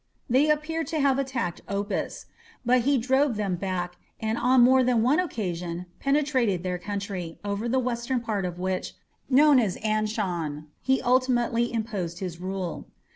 They appear to have attacked Opis, but he drove them back, and on more than one occasion penetrated their country, over the western part of which, known as Anshan, he ultimately imposed his rule.